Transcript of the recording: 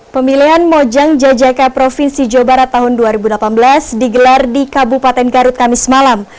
pemilihan mojang jjk provinsi jawa barat tahun dua ribu delapan belas digelar di kabupaten garut kamis malam